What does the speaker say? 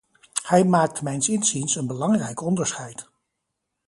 Hij maakt mijns inziens een belangrijk onderscheid.